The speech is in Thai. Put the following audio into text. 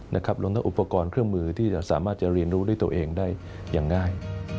รวมทั้งอุปกรณ์เครื่องมือที่จะสามารถจะเรียนรู้ด้วยตัวเองได้อย่างง่าย